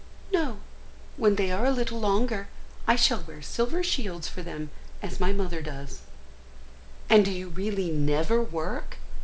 "No; when they are a little longer, I shall wear silver shields for them, as my mother does." "And do you really never work?"